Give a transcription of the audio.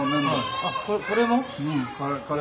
あっこれも？